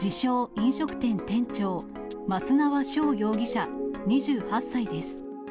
飲食店店長、松縄将容疑者２８歳です。